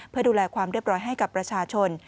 เพื่อดูแลความเรียบร้อยให้กับประชาชน